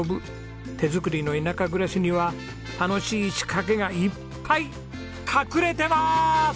手作りの田舎暮らしには楽しい仕掛けがいっぱい隠れてます！